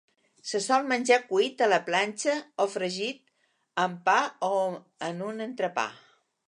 Se sol menjar cuit a la planxa o fregit, amb pa o en un entrepà.